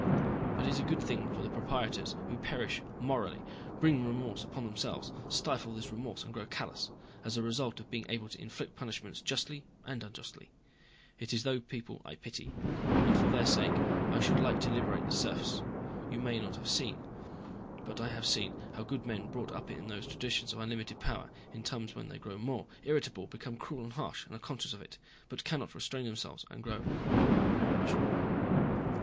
But it is a good thing for proprietors who perish morally, bring remorse upon themselves, stifle this remorse and grow callous, as a result of being able to inflict punishments justly and unjustly. It is those people I pity, and for their sake I should like to liberate the serfs. You may not have seen, but I have seen, how good men brought up in those traditions of unlimited power, in time when they grow more irritable, become cruel and harsh, are conscious of it, but cannot restrain themselves and grow more and more miserable."